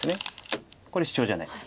これシチョウじゃないです。